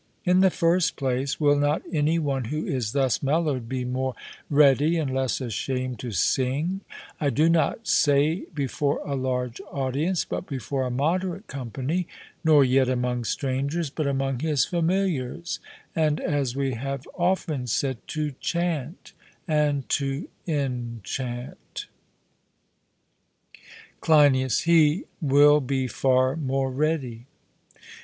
In the first place, will not any one who is thus mellowed be more ready and less ashamed to sing I do not say before a large audience, but before a moderate company; nor yet among strangers, but among his familiars, and, as we have often said, to chant, and to enchant? CLEINIAS: He will be far more ready.